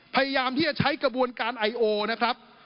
พยายามที่จะใช้กระบวนการไอโอนะครับ